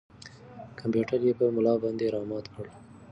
کمپیوټر یې په ملا باندې را مات کړ.